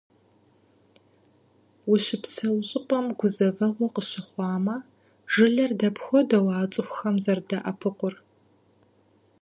Ущыпсэу щӏыпӏэм гузэвэгъуэ къыщыхъуамэ, жылэр дапхуэдэу а цӏыхухэм зэрадэӏэпыкъур?